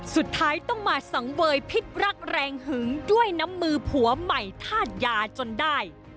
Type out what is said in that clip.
สุดท้ายต้องมาสังเวยพิษรักแรงหึงด้วยน้ำมือผัวใหม่ธาตุยาจนได้